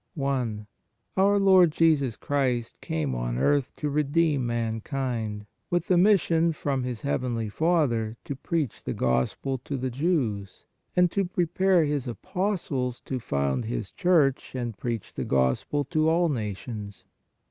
1. Our Lord Jesus Christ came on earth to re deem mankind, with the mission from His heavenly Father to preach the Gospel to the Jews, and to prepare His apostles to found His Church and preach the Gospel to all nations.